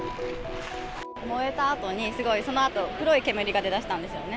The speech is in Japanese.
燃えたあとに、すごいそのあと、黒い煙が出だしたんですよね。